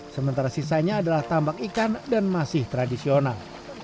sementara sisanya adalah tambak ikan dan masih tradisional